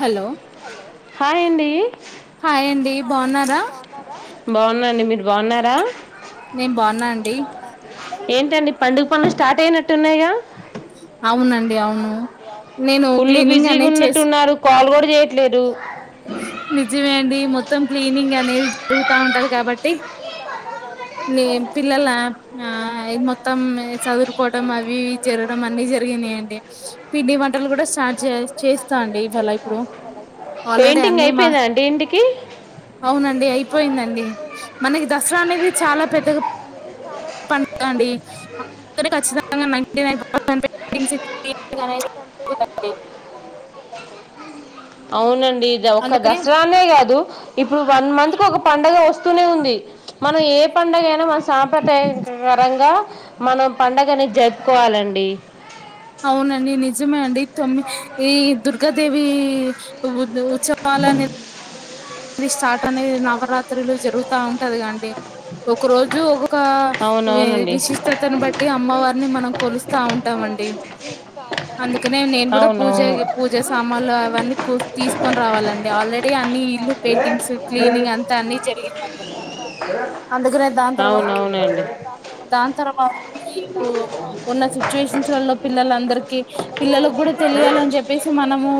Hello hi అండి బాగున్నారా బాగున్నాండి మీరు బాగున్నారా ఏంటండి పండుగ పనులు స్టార్ట్ అయినట్టు అవునండి అవును నేను క్లీనింగ్ అనేది చేసి చేయట్లేదు నిజమేండి మొత్తం మొత్తం క్లీనింగ్ అనేది జరుగుతా ఉంటది. కాబట్టి నే పిల్లల ఆ మొత్తం చదురుకోవడం. అవి జరగడం అన్ని జరిగినయి అండి. పిండి వంటలు కూడా స్టార్ట్ చే చేస్తా అండి ఇవాళ ఇప్పుడు పెయింటింగ్ అయిపోయిందా అండి ఇంటికి అడి అయిపోయిందండి మనకి దసరా అనేది చాలా పెద్దగా పండగ అండి ఖచ్చితంగా నైంటినైన్ పండుగ అనేది అండి అవునన్ ఒక దసరానే కాదు. ఇప్పుడు వన్ మంత్ కు ఒక పండగ వస్తూనే ఉంది. మనం ఏ పండుగ అయినా మన సాంప్రదాయకరంగా, మనం పండగని జరుపుకోవాలండి. అవునండి నిజమే అండి ఇ తొమ్మిద్ ఈ దుర్గ దేవి [unintelligible] చాలానే సార్ట్ అనే నవరాత్రులు జరుగుతా ఉంటది. కాండి ఒక రోజు ఒక విశిష్టతను బట్టి అమ్మవారిని మనం కొలుస్తా ఉంటామండి. అందుకనే నేను కూడా పూజ పూజా సామాన్లు అవన్నీ తీసుకొని రావాలండి రెడీ ఆ నీళ్లు పెయింటింగ్స్ క్లీనింగ్ అంతా అన్ని జరిగి అవునండి అందుకనే దాని తర్వాత దాని తర్వా ఇప్పుడు ఉన్న సిచ్యువేషన్స్ వల్లో పిల్లలందరికి, పిల్లలకు కూడా తెలియాలని చెప్పేసి, మనము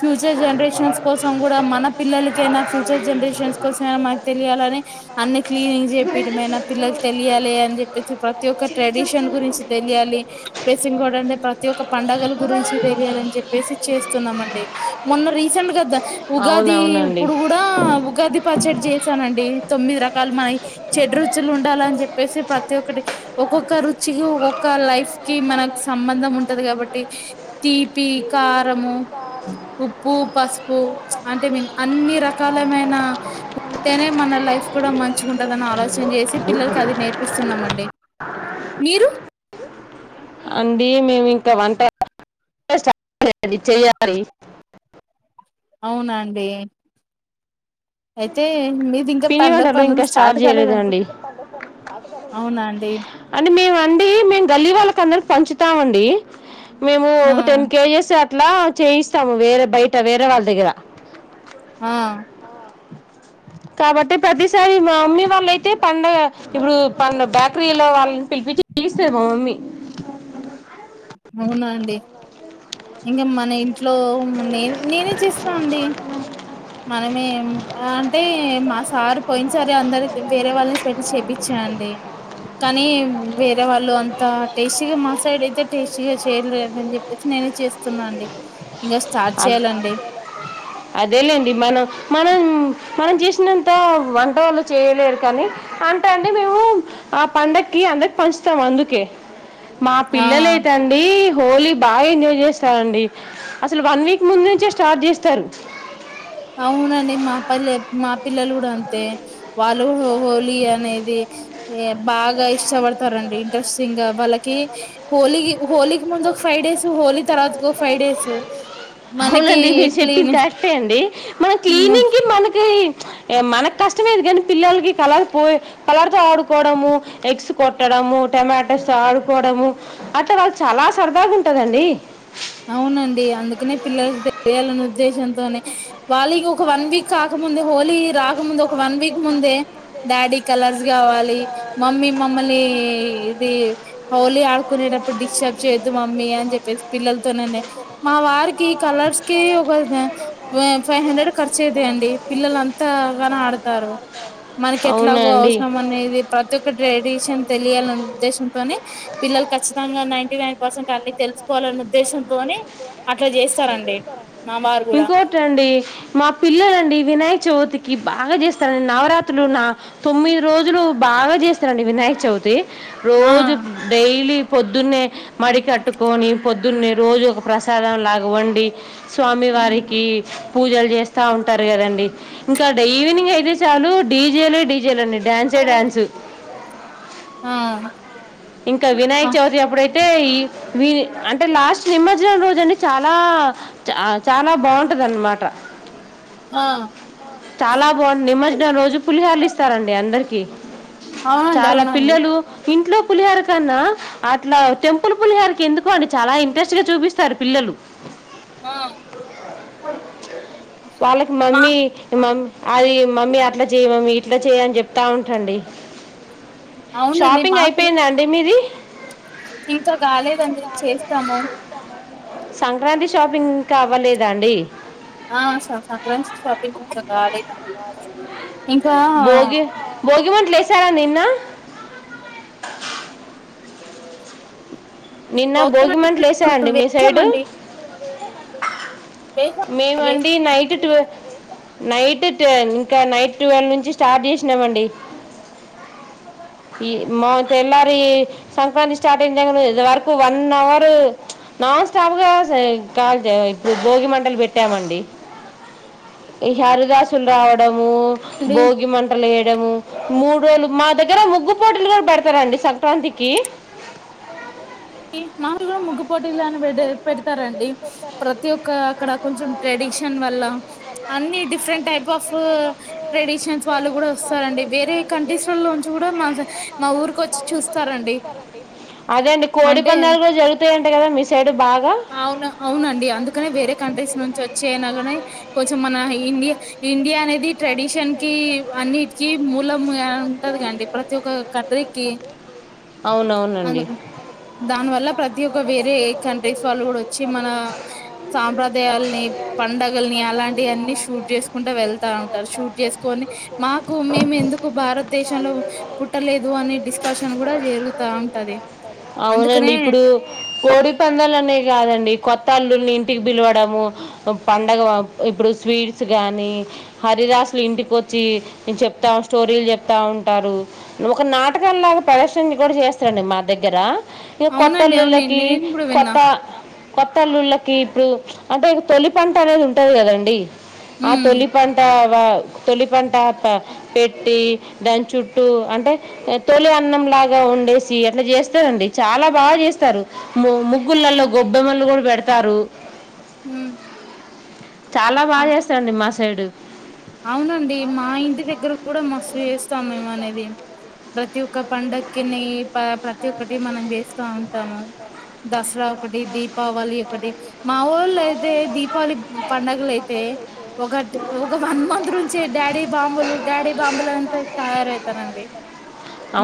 ఫ్యూచర్ జనరేషన్స్ కోసం కూడా, మన పిల్లల నా ఫ్యూచర్ జనరేషన్స్ కోసం మాకు తెలియాలనే, అన్ని క్లీనింగ్ చెపియ్యడమైన పిల్లకి తెలియాలి. అని చెప్పేసి ప్రతి ఒక్క ట్ర గురించి తెలియాలి ప్లస్ ఇంకో అంటే ప్రతి ఒక్క పంండగల గురించి తెలియాలి అని చెప్పేసి చేస్తున్నామండి మొన్న రీసెంట్ గా ఉగాది ఇప్పుడు కూడా ఉగాది పచ్చడి చేసానండి తొమ్మిది రకాల మన చెడు రుచులు ఉండాలని చెప్పేసి ప్రతి ఒక్కటి ఒక్కొక్క రుచికి ఒక్కొక్క లైఫ్ కి మనకు సంబంధం ఉంటది కాబట్టి తీపి కారము ఉప్పు పసుపు అంటే మ అన్ని రకాలమైనంటేనే మన లైఫ్ కూడా మంచిగా ఉంటుందని ఆలోచన చేసి పిల్లలకి అది నేర్పిస్తున్నామ అండి మీరు అండి మేము ఇంకా వంటట చెయాలి అవునాండి పిని వాటర్లు ఇంకా స్టార్ట్ చేయలేదండి అంటే మేము అండి మేము గల్లీ వాళ్ళకి అందరూ పంచుతామండి మేము ఒక టెన్ కేజీస్ అట్లా చేయిస్తాము వేరే బయట వేరే వాళ్ళ దగ్గర ఆ కాబట్టి ప్రతిసారి మా మమ్మీ వాళ్ళయితే పండగ ఇప్పుడు ప బేకరీలో వాళ్ళని పిలిపించి పస్తారు మా మమ్మీ అవునాండి ఇంకా మన ఇ ఇట్లో నే నేనే చేస్తానుండి మనమే అంటే మా సార్ పోయిన సరే అందరి వేరే వాళ్ళని స చెపి వచ్చేయండి కానీ వేరే వాళ్ళు అ అ టేస్టిగా మాస ఇడైతే షగా చేయలేదని చెప్పేసి నేనే చేస్తున్నాండి అ అదేలేండి మనం మనం మనం చేసినంత వంట వాళ్ళు చేయలేరు కానీ అంట అంటే, మేము ఆ పండగకి అందకి పంచుతాము అందుకే మా పిల్లలుయిటండి హోలీ బాగా ఎంజాయ్ చేస్తారండి అసలు వన్ వీక్ ముందు నుంచే స్టార్ట్ చేస్తారు అవునండి మా పల్ల మా పిల్లలు కూడా అంతే, వాళ్ళు హోలీ అనేది బాగా ఇష్టపడతారండి, ఇంట్రెస్టింగ్ గా వాళ్ అవునండి మీరు చెప్పిన కరెక్ట్ మన క్లీనింగ్ కి మనకి మనకు కష్టమేది కానీ పిల్లలకి కలర్ పో, కలర్తో ఆడుకోవడము ఎగ్స్ కొట్టడము టమాటోస్ ఆడు పోవడము అట్లా వాళ్ళు చాలా సరదాగా ఉంటదండి అవునండి అందుకనే పిల్లలకి తెలియాలనే ఉద్దేశంతోనే, వాళ్ళకి ఒక వన్ వీక్ కాకముందు హోలీ రాకముందు ఒక వన్ వీక్ ముందే డాడీ కలర్స్ కావాలి మమ్మీ మమ్మల్ని ఇది హోలీ ఆళ్కునినప్పుడు డిస్ చెదు మమ్మీ అని చెప్పేసి పిల్లల్ మా వారికి కలర్స్ కి ఒక ఫైవ్ హండ్రెడ్ ఖర్చు అయితండి, పిల్లలు అంతా గాన ఆడతారు, మనకి ఎట్లాగో అవసరం అనేది ప్రతి ఒక్క ట్రెడిషన్ తెలియ ఉద్దేశంతోని పిల్లలు ఖచ్చితంగా నైన్టీ నైన్ అన్ని తెలుసుకోవాల ఇంకొటి అండి మా పిల్లలండి వినాయక చవితికి బాగా చేస్తారండి, నవరాత్రులు నా తొమ్మిది రోజులు బాగా చేస్తారండి వినాయక చవితి రోజు డైలీ పొద్దున్నే మడికట్టుకొని పొద్దున్నే రోజు ఒక ప్రసాదం లాగా వండి స్వామివారికి పూజలు చేస్తా ఉంటారు కదండి ఇంకా డై ఈవినింగే అయితే చాలు డీజే లు డి జేలండి డ్యాన్సే డ్యాన్సు ఇంకా వినాయక చవితి అప్పుడైతే ఈ వీది అంటే లాస్ట్ నిమజ్జనం రోజు జని చాలా చాలా బావుం టదనమాట చాలా బాగుంది నిమజ్జనం రోజు పులిహోరలిస్తారండి అందరికి చాలా పిల్లలు ఇంట్లో పులిహోర కన్నా అట్లా టెంపుల్ పులిహోరకి ఎందుకో అండి చాలా ఇంట్రెస్ట్ గా చూపిస్తారు పిల్లలు వాళ్ళకి మమ్మీ మమ్ అది మమ్మీ అట్లా చెయ్ మమ్మి ఇట్లా చెయ్ అని చెప్తా ఉంటండి షాపింగ్ అయ్ టే మీది సంక్రాంతి షాపింగ్ కావ్వలేదు రండి ఆ సంక్రాంతి షాపింగ్ ఇంకా కాలేదండి ఇంకా చారా నిన్న నిన్న భోగిమంటలేసాయండి మీ సైడు మేమండి నైట్ ట్వ్ నైట్ టు ఇంక నైట్ టువల్వ్ నుంచి స్టార్ట్ చేసినామండి ఈ మాల్ తెల్లారి సంక్రాంతి స్టార్టయి [unintelligible] వర వన్ అవర్ నాన్ స్టాప్ గా కాల్ [unintelligible] భోగి మంటలు పెట్టామండి ఇహ హరిదాసులు రావడం ము భోగి మంటలే ఉం మూడు రోజులు మా దగ్గ [unintelligible] [unintelligible] ముగ్గు పోటీలు కూడా పెడతారండి సంక్రాంతికి డి మామూలుగా ముగ్గుపోటీలని పెడ్ పెడతారండి ప్రతి ఒక్క అక్కడ కొంచెం ట్రెడిషన్ వల్ల అన్ని డిఫరెంట్ టైప్ ఆఫ్ అదే అండి కో కోడి పందాలు కూడా జరుగుతాయంట గదా మిస్ అవును అవునండి అందుకనే వేరే కంట్రీస్ నుంచి వచ్చే అయినా కానే కొంచెం మన ఇండియా ఇండియా అనేది ట్రెడిషన్ కి అన్నిటికీ మూలం ఉంటది కండి ప్రతి ఒక్క కట్రికి అందుకని దానివల్ల ప్రత్ ఈ ఒక్క వేరే కంట్రీస్ వాలు కూడ వచ్చి మన సాంప్రదాయల్ని అవునండి ఇప్పుడు కోడి పందాలు అనే కాదండి కొత్త అల్లుల్ని ఇంటికి పిలవడము పండగ ఇప్పుడు స్వీట్స్ గానీ హరిదాసులు ఇంటికి వచ్చి చెప్తా స్టోరీలు చెప్తా ఉంటారు ఒక నాటకంలాగా ప్రదర్శన కూడా చేస్తారండి మా దగ్గర ఇగ కొత్త అల్లులకీ కొత్త కొత్తల్లుళ్ళకి ఇప్పుడు అంటే ఇగ తొలి పంట అనేది ఉంటది కదండి ఆ తొలి పంట వా తొలి పంట ప పెట్టి దాని చుట్టూ అంటే తొలి అన్నం లాగా వండేసి అట్లా చేస్తారండి చాలా బాగా చేస్తారు ముగ్గులలో గొబ్బెమ్మలు గుడా పెడతారు హుమ్ చాలా బాగా చేస్తరండి మా సైడు అవునండి మా ఇంటి దగ్గర కూడా మస్త్ ఏస్తము మేము అనేది ప్రతి ఒక్క పండకిని ప్రతి ఒక్కటి మనం చేస్తా ఉంటాము దసరా ఒకటి దీపావళి ఒకటి మా ఊళ్ళో అయ్ అతే దీపావళి పడుగలు అయితే ఒకటి వన్ మంత్ నుంచి డాడీ బాంబులు డాడీ బాంబులు అంతా తయారవుతారండి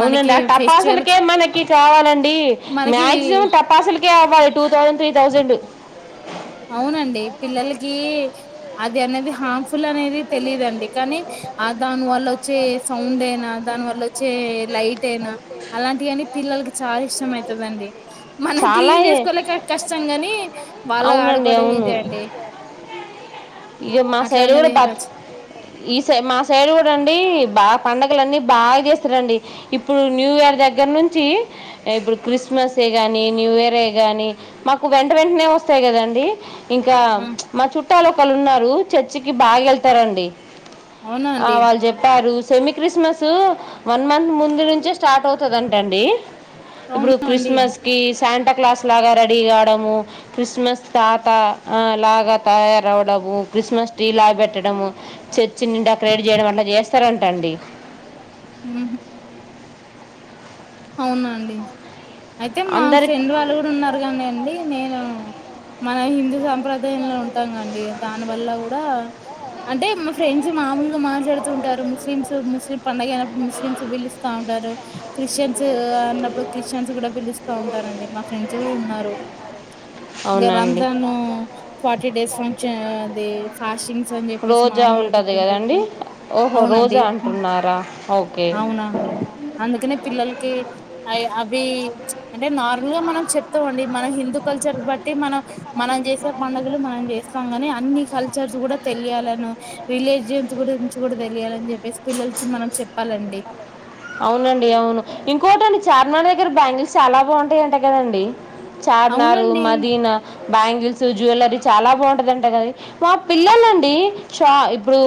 మనకి ఫెస్టివల్ మనకి టూ కలిపి థౌజండు అవునండి పిల్లలకి అది అనేది హార్మ్ఫుల్ అనేది తెలిదండి కానీ ఆ దాని వ వచ్చే సౌండ్ అయి దాని వల్ల వచ్చే లైట్ అయిన అలాంటివన్ని పిల్లలకి చాలా ఇష్టం అవుతుందండి మన క్లీన్ చేకోలేక కష్టం గానీ ఇ మాసయి కూడా బ ఈ సై మా సైడ్ కూడాండి బాగా పండగలు అన్నీ బాగా చేస్తారండి ఇప్పుడు న్యూ ఇయర్ దగ్గర నుంచి ఇప్పుడు క్రిస్మస్ కాగానీ న్యూ ఇయర్ కానీ మాకు వెంట వెంటనే వస్తాయి కదండి ఇంకా మా చుట్ట చుట్టాలు ఒకళ్ళు ఉన్నారు చర్చికి బాగా వెళ్తారండి అవునా అండి సెమీ క్రిస్మస్ వన్ మంత్ ముందు నుంచే స్టార్ట్ స్టార్ట్ అవుతుందింటే అండి ఇప్పుడు క్రిస్మస్ కి శాంట క్లాస్ లాగా రెడీ కావడము క్రిస్మస్ తాత లాగా తయారవడము క్రిస్మస్ ట్రీ లాగా పెట్టడం చర్చ్ చిన్న డిక్రోడ్ చేయడం అట్లా చేస్తే [unintelligible] యు హూ అవునా అండి అయితే మా ఫ్రెండ్ వాళ్ళు కూడా ఉన్నారు కాని అండి నేను మన హిందూ సంప్రదయ ఉదయంలో ఉంటాంగండి దాని వల్ల కూడా అంటే మా ఫ్రెండ్స్ మామూలుగా మాట్లాడుతూ ఉంటారు ముస్లిమ్స్, ముస్లిం పండగ అయినప్పుడు ముస్లిమ్స్ పిలుస్తా ఉంటారు క్రిస్టియన్ అన్నప్పుడు క్రిస్టియన్స్ కూడా పిలుస్తా ఉంటారండి మా ఫ్రెండ్స్ కూడా ఉన్నారు ఇక రంజాన్ ఫార్టీ డేస్ ఫంక్షన్ అది ఫాస్టింగ్స్ అని చెప్పేసి, మామూలు డిఫెంట్ ఫె అవునండి అవునాం అందుకనే పిల్లల అ అవి అంటే నార్మల్ గా మనం చెప్తాం అండి మనం హిందూ కల్చర్ బట్టి మనం మనం చేసే పండుగలు మనం చేస్తాం. కాని అన్ని కల్చర్స్ కూడా తెలియాలని, రిలీజియన్స్ గురించి కూడా తెలియాలని చెప్పేసి పిల్లల మనం చెప్పాలండి అవునండి అవును, ఇంకోటండి చార్మినార్ దగ్గర బ్యాంగిల్స్ చాలా బాగుంటాయంట కదండి Charminar, Madina bangles so jewellery చాలా బాగుంటుందింటే కద, మా పిల్లలండి షా ఇప్పుడు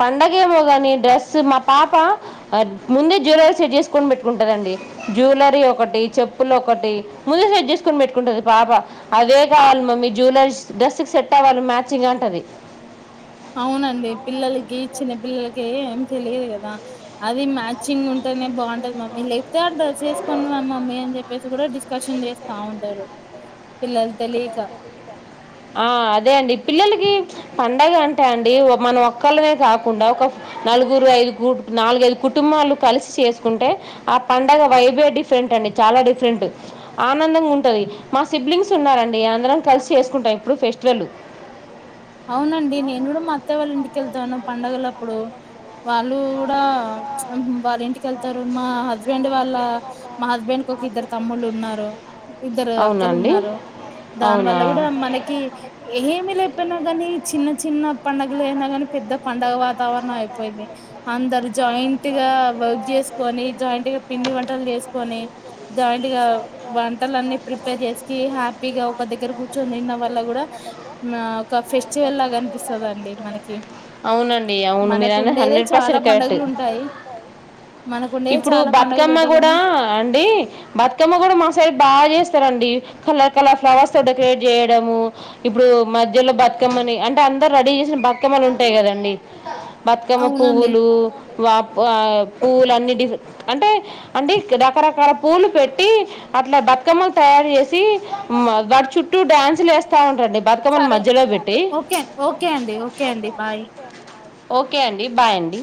పండగ ఏమో కానీ డ్రెస్ మా పాప ముందే జ్యువెలరీ సెట్ చేసుకొని పెట్టుకుంటుందిండి జ్యువెలరీ ఒకటి చెప్పులు ఒకటి ముందే సెట్ చేసుకొని పెట్టుకుంటుంది పాప అదే కావాలి మమ్మీ జ్యువెలరీస్ డ్రెస్సుకి సెట్ అవ్వాలి మ్యాచింగ్ అంటుంది అవునండి పిల్లలకి చిన్న పిల్లలకి ఏం తెలియదు కదా అది మ్యాచింగ్ ఉంటేనే బాగుంటది మమ్మీ లేపోతే అడ్రస్ చేసుకునిం మమ్మీ అని చెప్పేసి కూడా డిస్కషన్ చేస్తా ఉంటారు పిల్లలు తెలియక ఆ అదే అండి పిల్లలకి పండగ అంటే అండి మనం ఒక్కళ్ళనేే కాకుండా ఒక నలుగురు ఐదు నాలుగైదు కుటుంబాలు కలిసి చేసుకుంటే ఆ పంండగ వైబే డిఫరెంట్ అండి చాలా డిఫరెంట్ ఆనందంగా ఉంటుంది మా సిబ్లింగ్స్ ఉన్నడి అందరం కలిసి చేసుకుంటాం అప్పుడు ఫెస్టివలు అవునండి నేను కూడా మ అత్తయ వాళ్ళ ఇంటికె వెళ్తాను పంండగలప్పుడు వాళ్ళు కూడా వాళ్ళ ఇంటికి ెళ్తారు మా హస్బెండ్ వాళ్ళ మా హస్బెండ్ క ఒక ఇద్దరు తమ్ముళ్ళు ఉన్నారు ఇద్దరు అక్కలు ఉన్నారు దాని వల్ల కూడా మనకి ఏమి లే కాని చిన్న చిన్న పండుగలు అనా కాని పెద్ద పండగ వాతావరణం అయిపోయింది అందరు జాయింట్ గా వర్క్ చేసుకొని జాయింట్ గా పిండి వంటలు చేసుకొని జాయింట్ గా వంటలన్నిీ ప్రిపేర్ చేసుక హ్యాపీగా ఒక దగ్గర కూర్చొని తన్న వల్ల కూడా ఒక ఫెస్టివల్ లాగా అనిపిస్తుందిండి మనకి అవునండి అవును మీరన్న హండ్రెడ్ పర్సెంట్ కరెక్ట్ ఇప్పుడు బతుకమ్మ కూడా అండి బతుకమ్మ కూడా మా సైడ్ బాగా చేస్తారండి కలర్ కలర్ ఫ్లవర్స్ త డెకరేట్ చేయడము ఇప్పుడు మధ్యలో బతుకమ్మని అంటే అందరు రెడీ చేసిన బతుకమ్మలు ఉంట అంతే కదండి బతుకమ్మ పువ్వులు వా పూలు అన్ని అంటే అంటే రకరకాల పూలు పెట్టి అట్లా బ బతుకమ్మలు తయారు చేసి వాటి చుట్టూ డ్యాన్సులు వేస్తా ఉంటండి బతుకమ్మను మధ్యలో పెట్టి ఓకే అడి బాయ్ అండి